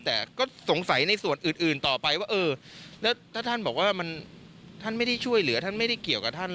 แต่ก็สงสัยในส่วนอื่นต่อไปว่าเออแล้วถ้าท่านบอกว่าท่านไม่ได้ช่วยเหลือท่านไม่ได้เกี่ยวกับท่าน